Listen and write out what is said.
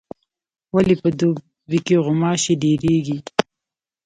ولي په دوبي کي غوماشي ډیریږي؟